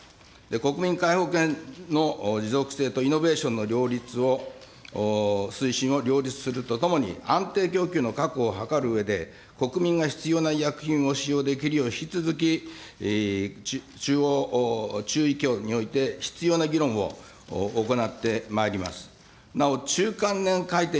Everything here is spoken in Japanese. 国民皆保険の持続性とイノベーションの両立を推進を両立するとともに、安定供給の確保を図るうえで、国民が必要な医薬品を使用できるよう、引き続き中央中医協において、必要な議論を行ってまいります。